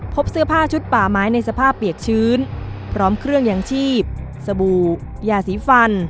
พบเสื้อผ้าชุดป่าไม้ในสภาพเปียกชื้นพร้อมเครื่องยางชีพสบู่ยาสีฟัน